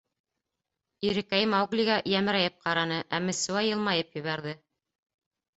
Ирекәй Мауглиға йәмерәйеп ҡараны, ә Мессуа йылмайып ебәрҙе.